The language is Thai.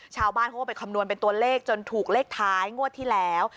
ชาวบ้านเขาก็ไปคำนวณเป็นตัวเลขจนถูกเลขท้ายงวดที่แล้ว